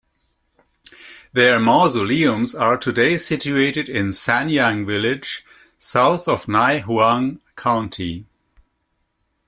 Their mausoleums are today situated in Sanyang village south of Neihuang County.